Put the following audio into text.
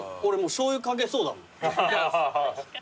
しょうゆ掛けそうだもん。